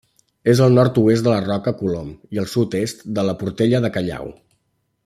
És al nord-oest de la Roca Colom i al sud-est de la Portella de Callau.